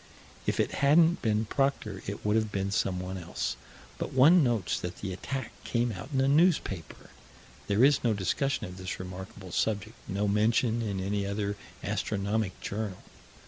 If it hadn't been Proctor, it would have been someone else but one notes that the attack came out in a newspaper. There is no discussion of this remarkable subject, no mention in any other astronomic journal.